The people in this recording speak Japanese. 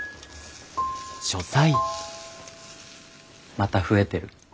また増えてる。